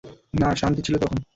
না, শান্তি তখন ছিল!